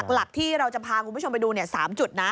หลักที่เราจะพาคุณผู้ชมไปดู๓จุดนะ